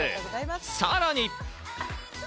さらに。